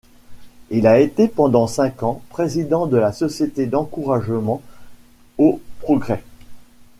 Il a été pendant cinq ans président de la Société d'encouragement au progrès.